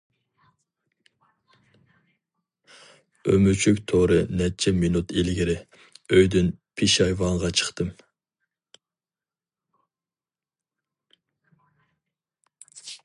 ئۆمۈچۈك تورى نەچچە مىنۇت ئىلگىرى، ئۆيدىن پېشايۋانغا چىقتىم.